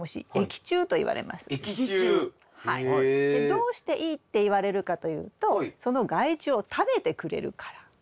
どうしていいっていわれるかというとその害虫を食べてくれるから。